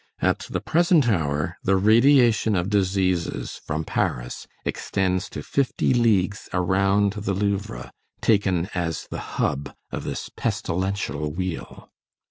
At the present hour, the radiation of diseases from Paris extends to fifty leagues around the Louvre, taken as the hub of this pestilential wheel.